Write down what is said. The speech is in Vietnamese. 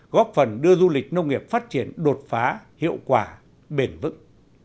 góp phần đưa du lịch nông nghiệp phát triển đột phá hiệu quả bền vững